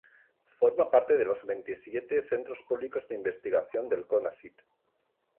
Forma parte de los veintisiete centros públicos de investigación del Conacyt.